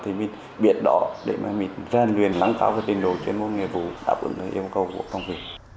thì mình biết đó để mà mình rèn luyện năng cao cái tình đồ trên một nghề vụ đáp ứng yêu cầu của công viên